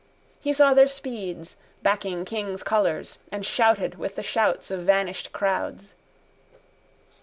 He saw their speeds, backing king's colours, and shouted with the shouts of vanished crowds.